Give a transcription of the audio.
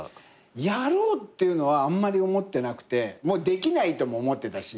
やろうっていうのはあんまり思ってなくてもうできないとも思ってたし。